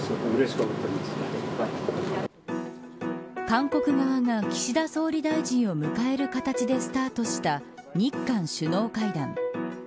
韓国側が岸田総理大臣を迎える形でスタートした日韓首脳会談。